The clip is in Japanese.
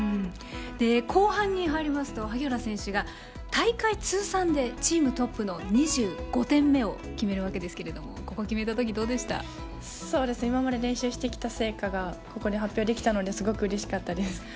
後半に入りますと萩原選手が大会通算でチームトップの２５点目を決めますが今まで練習してきた成果がここで発表できたのですごくうれしかったです。